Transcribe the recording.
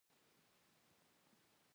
دریشي د خیاط له خوا اندازې ته جوړیږي.